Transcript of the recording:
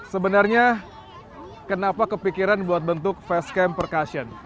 sebenarnya kenapa kepikiran buat bentuk fastcamp percussion